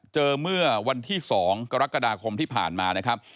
เมื่อวันที่๒กรกฎาคมที่ผ่านมานะครับ